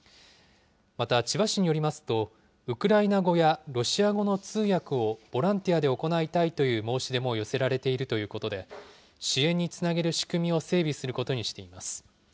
また、千葉市によりますと、ウクライナ語やロシア語の通訳をボランティアで行いたいという申し出も寄せられているということで、支援につなげる仕組みを整備することにしています。